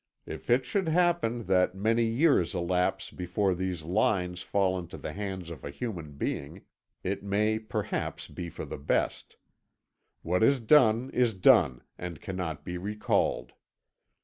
If it should happen that many years elapse before these lines fall into the hands of a human being, if may perhaps be for the best. What is done is done, and cannot be recalled.